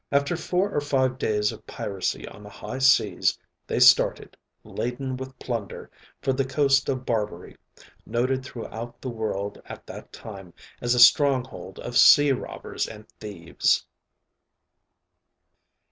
After four or five days of piracy on the high seas, they started, laden with plunder, for the coast of Barbary, noted throughout the world at that time as a stronghold of sea robbers and thieves.